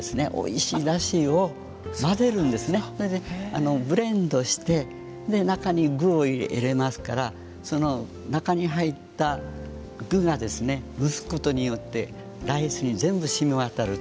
それでブレンドしてで中に具を入れますからその中に入った具が蒸すことによってライスに全部染み渡ると。